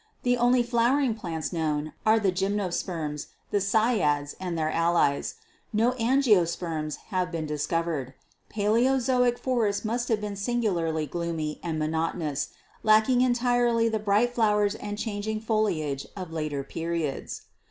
The only flowering plants known are the Gymnosperms, the Cycads and their HISTORICAL GEOLOGY 209 allies; no Angiosperms have been discovered. Paleozoic forests must have been singularly gloomy and monotonous, lacking entirely the bright flowers and changing foliage of later periods.